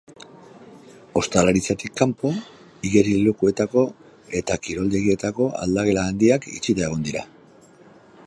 Ostalaritzatik kanpo, igerilekuetako eta kiroldegietako aldagela handiak itxita egongo dira.